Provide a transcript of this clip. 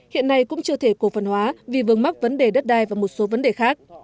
hiện nay cũng chưa thể cổ phần hóa vì vương mắc vấn đề đất đai và một số vấn đề khác